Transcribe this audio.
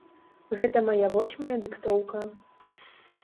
Гэта мая восьмая дыктоўка.